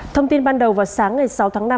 thông tin ban đầu vào sáng ngày sáu tháng năm